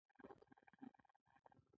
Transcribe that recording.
د ژوند حق هر چا ته دی